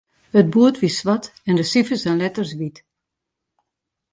It boerd wie swart en de sifers en letters wyt.